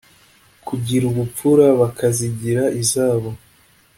kugira ubupfura bakazigira izabo